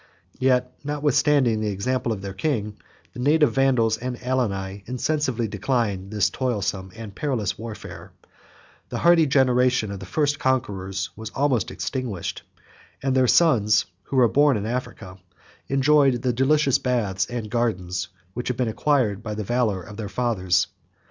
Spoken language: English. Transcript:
Yet, notwithstanding the example of their king, the native Vandals and Alani insensibly declined this toilsome and perilous warfare; the hardy generation of the first conquerors was almost extinguished, and their sons, who were born in Africa, enjoyed the delicious baths and gardens which had been acquired by the valor of their fathers.